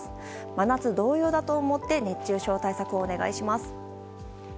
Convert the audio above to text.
真夏同様だと思って熱中症対策をお願いします。